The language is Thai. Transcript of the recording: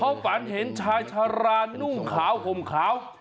เขาฝันเห็นชายชารานุ่งขาวห่มขาว